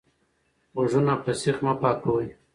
غوږونه په سیخ مه پاکوئ.